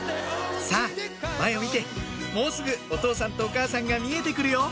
さぁ前を見てもうすぐお父さんとお母さんが見えて来るよ！